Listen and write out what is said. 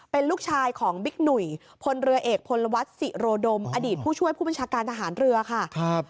เป็นลูกชายของบิ๊กหนุ่ยพลเรือเอกพลวัฒน์ศิโรดมอดีตผู้ช่วยผู้บัญชาการทหารเรือค่ะ